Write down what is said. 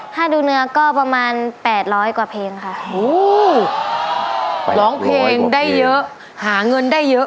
ถ้าดูเนื้อก็ประมาณแปดร้อยกว่าเพลงค่ะร้องเพลงได้เยอะหาเงินได้เยอะ